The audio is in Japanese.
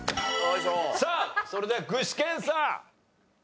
さあそれでは具志堅さん。